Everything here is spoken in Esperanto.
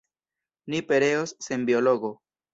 Ni pereos sen biologo!